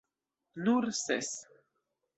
Nur ses!